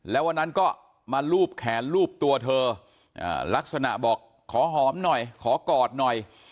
แล้ววันนั้นก็มาลูบแขนรูปตัวเธอลักษณะบอกขอหอมหน่อยขอกอดหน่อย